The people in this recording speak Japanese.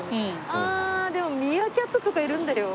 ああでもミーアキャットとかいるんだよ。